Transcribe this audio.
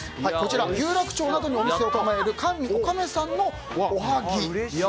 有楽町などにお店を構える甘味おかめさんのおはぎ。